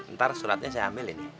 ntar suratnya saya ambilin ya